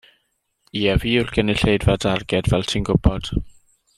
Ie, fi yw'r gynulleidfa darged, fel ti'n gwybod.